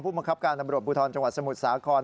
ผู้มักคับการอำรวจบูทรจังหวัดสมุทรสาขร